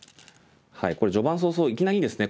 これ序盤早々いきなりですね